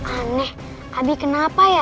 aneh abi kenapa ya